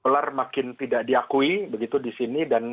dolar makin tidak diakui begitu di sini